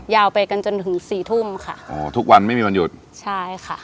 ยาวไปกันจนถึงสี่ทุ่มค่ะอ๋อทุกวันไม่มีวันหยุดใช่ค่ะ